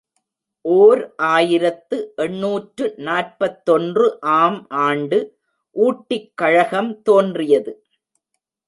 ஓர் ஆயிரத்து எண்ணூற்று நாற்பத்தொன்று ஆம் ஆண்டு ஊட்டிக் கழகம் தோன்றியது.